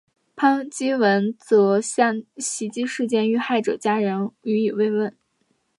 潘基文则向袭击事件遇害者家人致以慰问。